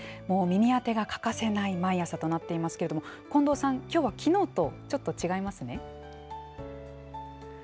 もう耳当てが欠かせない毎朝となっていますけれども、近藤さん、きょうはきのうとちょっと違いますね。